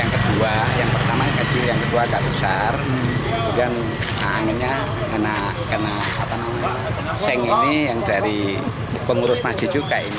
karena seng ini yang dari pengurus masjid juga ini